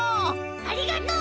ありがとう！